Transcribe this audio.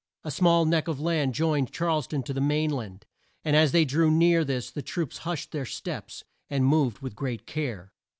A small neck of land joined Charles town to the main land, and as they drew near this the troops hushed their steps, and moved with great care.